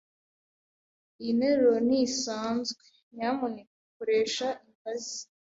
Iyi nteruro ntisanzwe. Nyamuneka koresha ingazi.